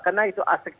karena itu asik jalan